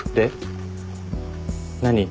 何？